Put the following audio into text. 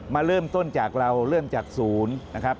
มาเริ่มต้นจากเราเริ่มจากศูนย์นะครับ